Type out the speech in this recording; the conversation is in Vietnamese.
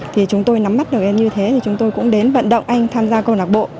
thì chúng tôi nắm mắt được em như thế thì chúng tôi cũng đến vận động anh tham gia câu lạc bộ